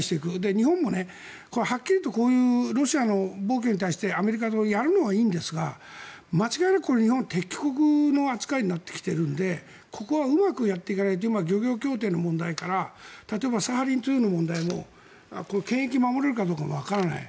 日本もはっきりとロシアの防御に対してアメリカとやるのはいいんですが間違いなく、これ、日本は敵国の扱いになってきているのでここはうまくやっていかないと今、漁業協定の問題から例えばサハリン２の問題も権益を守れるかどうかもわからない。